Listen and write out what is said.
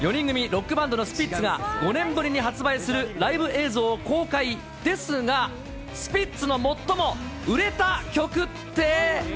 ロックバンドのスピッツが、５年ぶりに発売するライブ映像公開ですが、スピッツの最も売れた曲って？